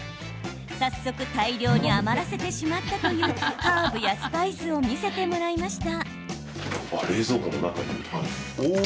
早速大量に余らせてしまったというハーブやスパイスを見せてもらいました。